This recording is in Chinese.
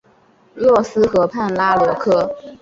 洛斯河畔拉罗科。